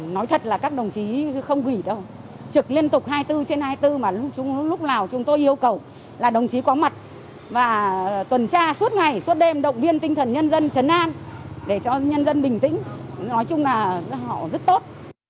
nói thật là các đồng chí không gửi đâu trực liên tục hai mươi bốn trên hai mươi bốn mà lúc nào chúng tôi yêu cầu là đồng chí có mặt và tuần tra suốt ngày suốt đêm động viên tinh thần nhân dân chấn an để cho nhân dân bình tĩnh nói chung là họ rất tốt